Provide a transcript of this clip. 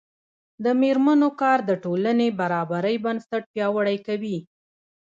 د میرمنو کار د ټولنې برابرۍ بنسټ پیاوړی کوي.